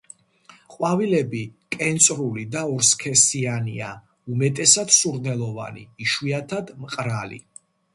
ყვავილები კენწრული და ორსქესიანია, უმეტესად სურნელოვანი, იშვიათად მყრალი.